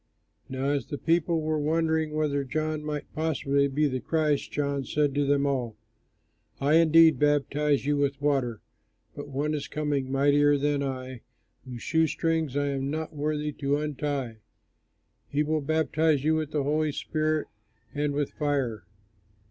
Now as the people were wondering whether John might possibly be the Christ, John said to them all, "I indeed baptize you with water; but One is coming mightier than I, whose shoe strings I am not worthy to untie. He will baptize you with the Holy Spirit and with fire.